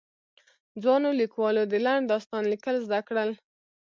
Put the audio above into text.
ځوانو ليکوالو د لنډ داستان ليکل زده کړل.